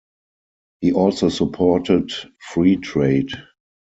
He also supported free trade.